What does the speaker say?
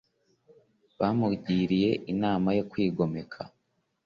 bamugiriye inama yo kwigomeka.